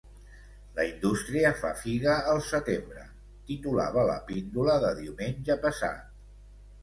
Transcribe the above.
La indústria fa figa al setembre, titulava la píndola de diumenge passat.